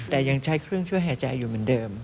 แต่ยังใช้เครื่องช่วยหายใจอยู่เหมือนเดิม